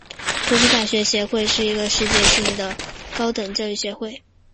国际大学协会是一个基于联合国教科文组织而成立的世界性高等教育协会。